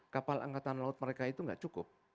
kapal angkatan laut mereka itu nggak cukup